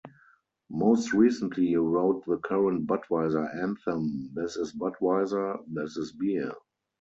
Most recently he wrote the current Budweiser anthem, This Is Budweiser, This Is Beer.